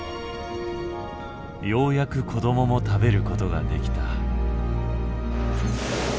ようやく子供も食べることができた。